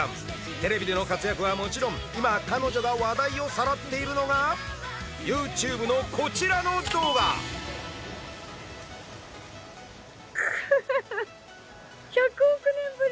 テレビでの活躍はもちろん今彼女が話題をさらっているのがＹｏｕＴｕｂｅのこちらの動画フフフフ